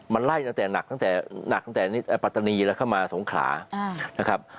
มันไล่หนักตั้งแต่นิตย์ปถนีและมันเข้ามาสงขรานะครับ